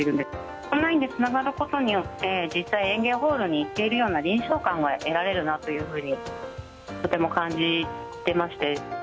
オンラインでつながることによって、実際、演芸ホールに行っているような臨場感が得られるなというふうに、とても感じてまして。